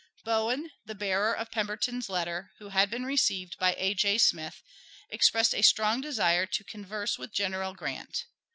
Bowen, the bearer of Pemberton's letter, who had been received by A. J. Smith, expressed a strong desire to converse with General Grant.